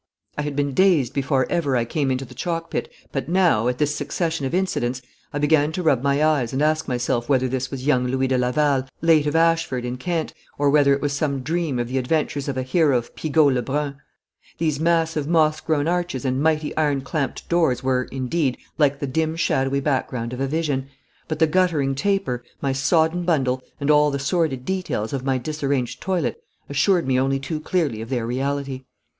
I had been dazed before ever I came into the chalk pit, but now, at this succession of incidents, I began to rub my eyes and ask myself whether this was young Louis de Laval, late of Ashford, in Kent, or whether it was some dream of the adventures of a hero of Pigault Lebrun. These massive moss grown arches and mighty iron clamped doors were, indeed, like the dim shadowy background of a vision; but the guttering taper, my sodden bundle, and all the sordid details of my disarranged toilet assured me only too clearly of their reality.